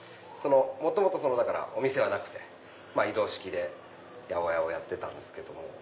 元々お店はなくて移動式で八百屋をやってたんですけども。